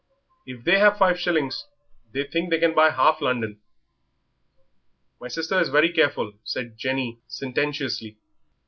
If they have five shillings they think they can buy half London." "My sister is very careful," said Jenny, sententiously.